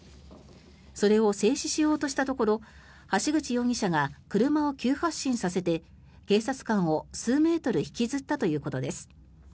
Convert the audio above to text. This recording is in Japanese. それを制止しようとしたところ橋口容疑者が車を急発進させて警察官を数メートル引きずったということです。